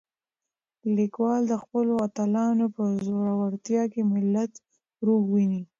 لیکوال د خپلو اتلانو په زړورتیا کې د ملت روح وینه.